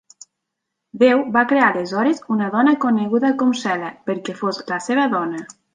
Déu va crear aleshores una dona coneguda com Sela perquè fos la seva dona.